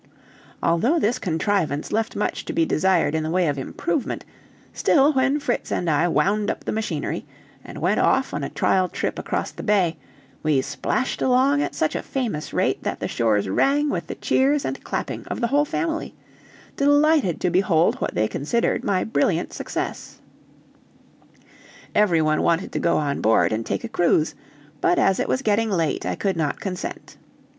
Although this contrivance left much to be desired in the way of improvement, still when Fritz and I wound up the machinery, and went off on a trial trip across the bay, we splashed along at such a famous rate, that the shores rang with the cheers and clapping of the whole family, delighted to behold what they considered my brilliant success. Every one wanted to go on board, and take a cruise, but as it was getting late, I could not consent.